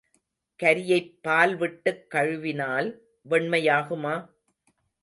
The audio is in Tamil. கரியைப் பால்விட்டுக் கழுவினால் வெண்மையாகுமா?